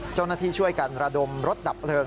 เจ้าหน้าที่ช่วยกันระดมรถดับเพลิง